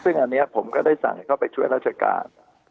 ซึ่งอันนี้ผมก็ได้สั่งให้เข้าไปช่วยราชการ